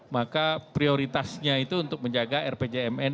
maka prioritasnya itu untuk menjaga rpjmn